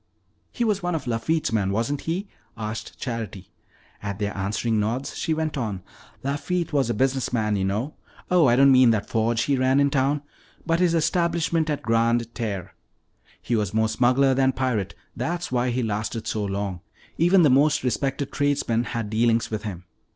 "He was one of Lafitte's men, wasn't he?" asked Charity. At their answering nods, she went on: "Lafitte was a business man, you know. Oh, I don't mean that forge he ran in town, but his establishment at Grande Terre. He was more smuggler than pirate, that's why he lasted so long. Even the most respected tradesmen had dealings with him.